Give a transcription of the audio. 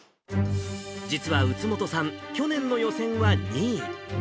実は宇津本さん、去年の予選は２位。